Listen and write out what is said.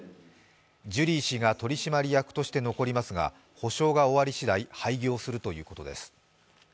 ジュリー氏が取締役として残りますが補償が終わりしだい廃業するということです。